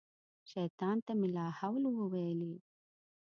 شیطان ته مې لا حول وویلې.